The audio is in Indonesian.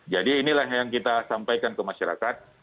jadi inilah yang kita sampaikan ke masyarakat